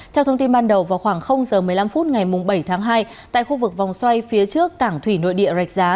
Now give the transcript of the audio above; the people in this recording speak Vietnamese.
theo thông tin ban đầu vào khoảng giờ một mươi năm phút ngày bảy tháng hai tại khu vực vòng xoay phía trước tảng thủy nội địa rạch giá